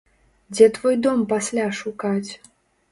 Дзе твой дом пасля шукаць?